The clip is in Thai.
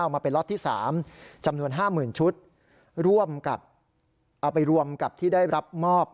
มาเป็นล็อตที่๓จำนวน๕๐๐๐ชุดร่วมกับเอาไปรวมกับที่ได้รับมอบ